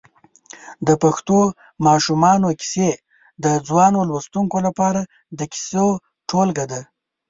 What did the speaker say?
د پښتو ماشومانو کیسې د ځوانو لوستونکو لپاره د کیسو ټولګه ده.